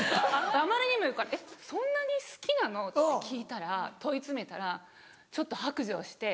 あまりにも言うから「えっそんな好きなの？」って聞いたら問い詰めたらちょっと白状して。